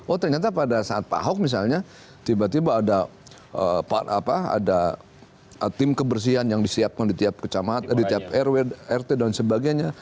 oh ternyata pada saat pak ahok misalnya tiba tiba ada tim kebersihan yang disiapkan di tiap rt dan sebagainya